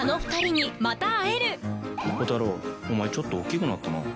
コタローお前ちょっとおっきくなったな。